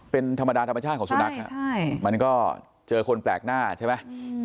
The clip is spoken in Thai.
เป็นธรรมดาธรรมชาติของสุนัขมันก็เจอคนแปลกหน้าใช่ไหม